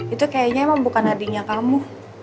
itu kayaknya emang bukan adiknya kamu